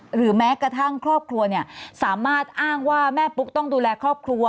หรือแม้กระทั่งครอบครัวเนี่ยสามารถอ้างว่าแม่ปุ๊กต้องดูแลครอบครัว